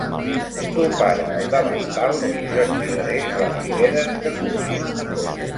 Tu para el davantal i jo et tiraré les cireres que culli.